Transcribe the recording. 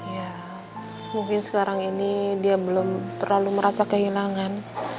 ya mungkin sekarang ini dia belum terlalu merasa kehilangan